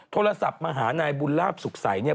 โทรศัพท์มาหานายบุญลาบสุขใสเนี่ย